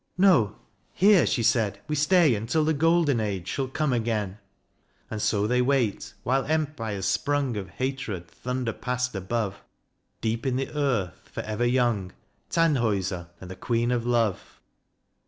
" No ; here," she said, " we stay until The golden age shall come again." And so they wait, while empires sprung Of hatred thunder past above, Deep in the earth, for ever young, Tannhauser, and the Queen of love.